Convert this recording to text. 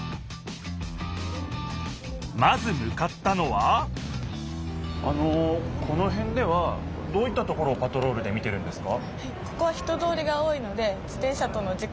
まずむかったのはあのこのへんではどういったところをパトロールで見てるんですか？